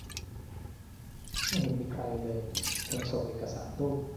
ไม่เห็นมีใครเลย คนส่งเอกสารพูด